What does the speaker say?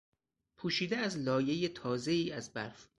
پوشیده از لایهی تازهای از برف